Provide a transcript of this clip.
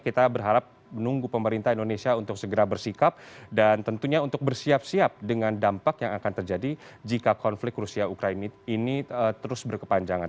kita berharap menunggu pemerintah indonesia untuk segera bersikap dan tentunya untuk bersiap siap dengan dampak yang akan terjadi jika konflik rusia ukraina ini terus berkepanjangan